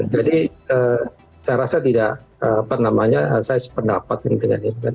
jadi saya rasa tidak apa namanya saya sependapat mungkin ya